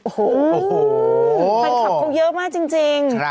ฟันคลับเขาเยอะมากจริง